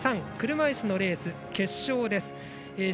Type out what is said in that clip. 車いすのレース、決勝です。